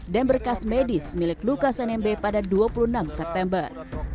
dan berkas medis milik lukas nmb pada dua puluh enam september